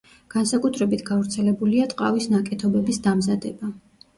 განსაკუთრებით გავრცელებულია ტყავის ნაკეთობების დამზადება.